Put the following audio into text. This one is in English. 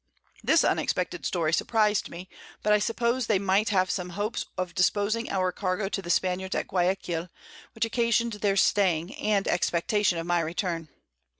This unexpected Story surpriz'd me, but I suppos'd they might now have some Hopes of disposing our Cargo to the Spaniards at Guiaquil, which occasion'd their Staying, and Expectation of my Return.